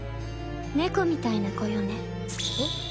猫みたいな子よねえっ？